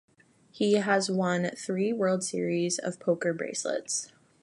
He has won three World Series of Poker bracelets.